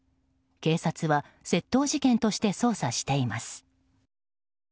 警察は窃盗事件として捜査しています。